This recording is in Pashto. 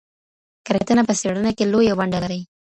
کره کتنه په څېړنه کي لویه ونډه لري.